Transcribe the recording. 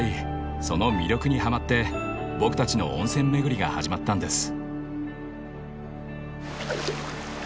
その魅力にはまって僕たちの温泉巡りが始まったんです。